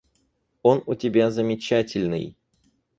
Он у тебя замечательный.